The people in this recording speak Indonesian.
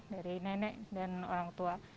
dari nenek dan orang tua